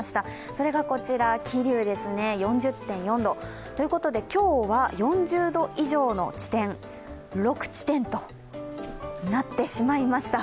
それがこちら、桐生ですね、４０．４度。ということで今日は４０度以上の地点、６地点となってしまいました。